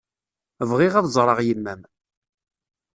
Bɣiɣ ad ẓreɣ yemma-m.